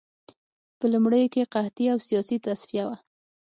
په لومړیو کې قحطي او سیاسي تصفیه وه